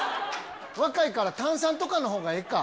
若いから炭酸とかのほうがええか。